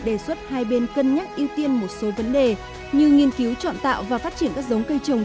đề xuất hai bên cân nhắc ưu tiên một số vấn đề như nghiên cứu chọn tạo và phát triển các giống cây trồng